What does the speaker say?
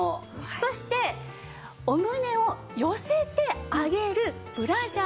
そしてお胸を寄せて上げるブラジャー機能。